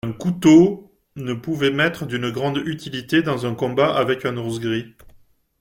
Un couteau ne pouvait m'être d'une grande utilité dans un combat avec un ours gris.